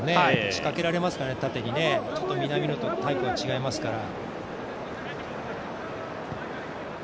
仕掛けられますかね、縦にね南野とタイプが違いますから。